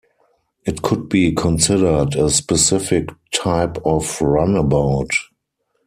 It could be considered a specific type of runabout.